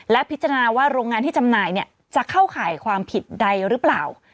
และพิจารณาว่าโรงงานที่จำหน่ายจะเข้าข่ายความผิดใดหรือเปล่า